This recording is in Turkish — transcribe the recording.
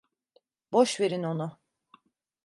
Boş verin onu.